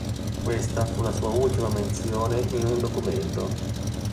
Questa fu la sua ultima menzione in un documento.